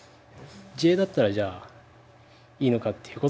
自衛だったらじゃあいいのかっていうことでは。